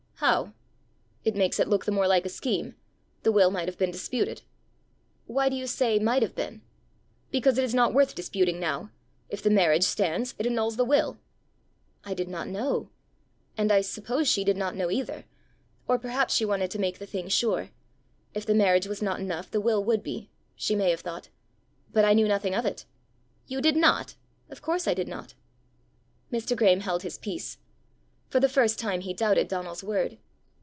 "How?" "It makes it look the more like a scheme: the will might have been disputed." "Why do you say might have been?" "Because it is not worth disputing now. If the marriage stands, it annuls the will." "I did not know; and I suppose she did not know either. Or perhaps she wanted to make the thing sure: if the marriage was not enough, the will would be she may have thought. But I knew nothing of it." "You did not?" "Of course I did not." Mr. Graeme held his peace. For the first time he doubted Donal's word.